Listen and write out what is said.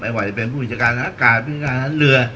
ไม่ว่าจะเป็นผู้บิจารการธนาคารผู้บิจารทั้งเรือ